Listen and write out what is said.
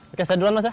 oke saya duluan mas ya